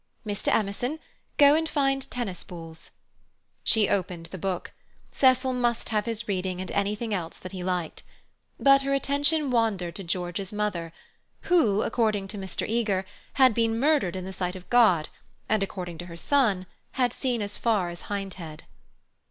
"Mr. Emerson, go and find tennis balls." She opened the book. Cecil must have his reading and anything else that he liked. But her attention wandered to George's mother, who—according to Mr. Eager—had been murdered in the sight of God and—according to her son—had seen as far as Hindhead.